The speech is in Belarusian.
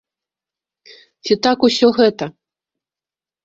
Ці так усё гэта?